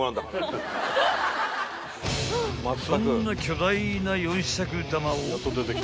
［そんな巨大な四尺玉を］